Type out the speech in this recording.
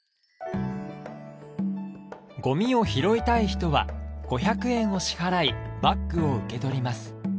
ゴミを拾いたい人は５００円を支払いバッグを受け取ります。